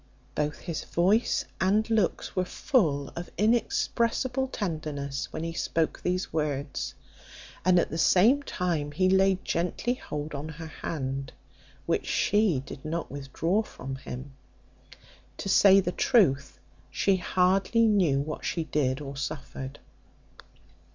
Both his voice and looks were full of inexpressible tenderness when he spoke these words; and at the same time he laid gently hold on her hand, which she did not withdraw from him; to say the truth, she hardly knew what she did or suffered.